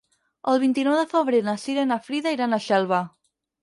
El vint-i-nou de febrer na Cira i na Frida iran a Xelva.